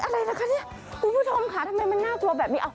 อะไรล่ะคะเนี่ยคุณผู้ชมค่ะทำไมมันน่ากลัวแบบนี้